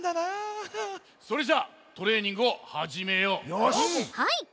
よし！